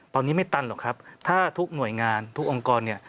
ตอนนี้ไม่ตันหรอกครับถ้าทุกหน่วยงานทุกองค์กรเนี่ย